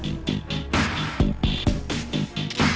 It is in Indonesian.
aduh kepala gue pusing banget san